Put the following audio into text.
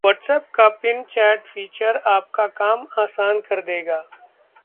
WhatsApp का pin chat feature आपका काम आसान कर देगा